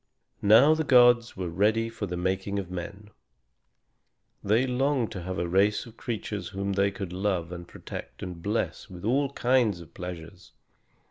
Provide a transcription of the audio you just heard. Now the gods were ready for the making of men. They longed to have a race of creatures whom they could love and protect and bless with all kinds of pleasures.